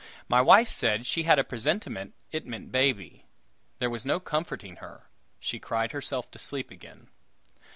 My wife said she had a presentiment it meant baby. There was no comforting her; she cried herself to sleep again.